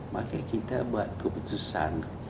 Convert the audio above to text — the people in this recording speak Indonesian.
maka kita buat keputusan